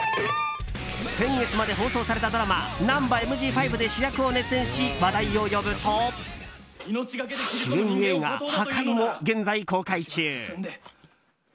先月まで放送されたドラマ「ナンバＭＧ５」で主役を熱演し話題を呼ぶと主演映画「破戒」も現在公開中。